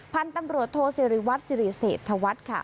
พันธ์ตำรวจโทรศิริวัติศิริเสธวัตดิ์